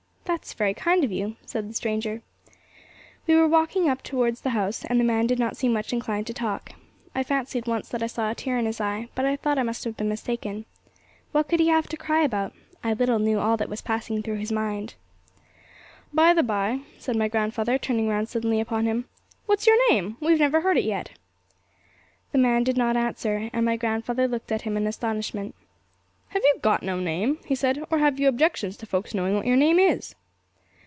'That's very kind of you,' said the stranger. We were walking up now towards the house, and the man did not seem much inclined to talk. I fancied once that I saw a tear in his eye, but I thought I must have been mistaken. What could he have to cry about? I little knew all that was passing through his mind. 'By the bye,' said my grandfather, turning round suddenly upon him, 'what's your name? We've never heard it yet!' The man did not answer, and my grandfather looked at him in astonishment. 'Have you got no name?' he said, 'or have you objections to folks knowing what your name is?'